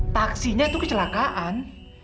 taksinya itu kecelakaan